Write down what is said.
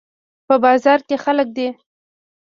په بازار کې خلک دي